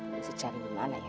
kamu harus cari di mana ya